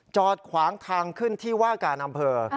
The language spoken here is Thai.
จอดขวางทางขึ้นที่ว่าการอำเภอ